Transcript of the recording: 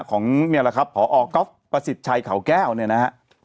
ของพ่อออก๊อฟประสิทธิ์ชัยเขาแก้วเนี่ยนะฮะ